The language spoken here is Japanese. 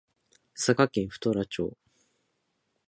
佐賀県太良町